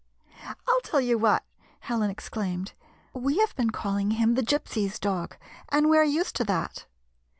"I 'll tell you what," Helen exclaimed, "we have been calling him 'the. Gypsy's dog,' and we are used to that.